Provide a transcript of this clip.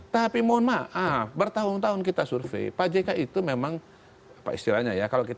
tapi mohon maaf bertahun tahun kita survei pak jk itu memang